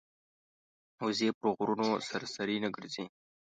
وزې پر غرونو سرسري نه ګرځي